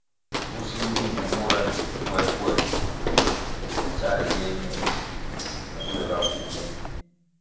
Pfusi mi mbi mura nywie puerpuer sa riye ñe mbuéhga pú méh.